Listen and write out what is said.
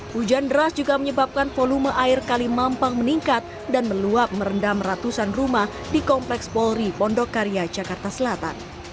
hujan deras juga menyebabkan volume air kali mampang meningkat dan meluap merendam ratusan rumah di kompleks polri pondokarya jakarta selatan